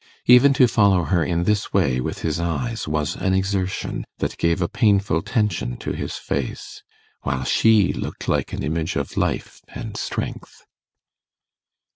Even to follow her in this way with his eyes was an exertion that gave a painful tension to his face; while she looked like an image of life and strength.